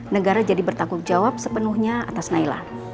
negara jadi bertanggung jawab sepenuhnya atas naila